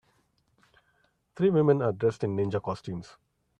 Three women are dressed in ninja costumes.